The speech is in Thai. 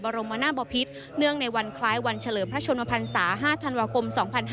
รมนาบพิษเนื่องในวันคล้ายวันเฉลิมพระชนมพันศา๕ธันวาคม๒๕๕๙